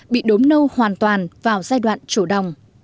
bị đốm nâu hoàn toàn vào giai đoạn chủ đồng